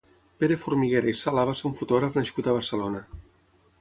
Pere Formiguera i Sala va ser un fotògraf nascut a Barcelona.